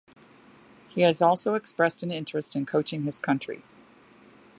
He has also expressed an interest in coaching his country.